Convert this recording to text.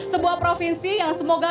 sebuah provinsi yang semoga